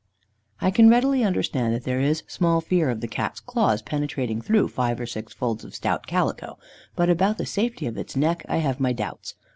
I can readily understand that there is small fear of the Cat's claws penetrating through five or six folds of stout calico, but about the safety of its neck I have my doubts.